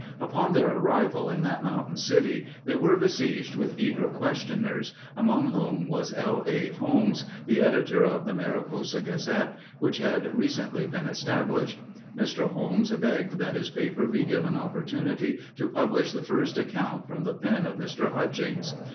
Upon their arrival in that mountain city, they were besieged with eager questioners, among whom was L. A. Holmes, the editor of the Mariposa Gazette, which had recently been established. Mr. Holmes begged that his paper be given opportunity to publish the first account from the pen of Mr. Hutchings.